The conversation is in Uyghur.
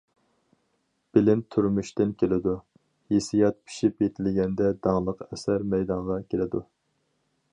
‹‹ بىلىم تۇرمۇشتىن كېلىدۇ، ھېسسىيات پىشىپ يېتىلگەندە داڭلىق ئەسەر مەيدانغا كېلىدۇ››.